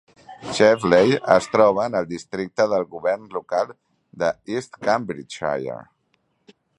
Cheveley es troba en el districte del govern local de East Cambridgeshire.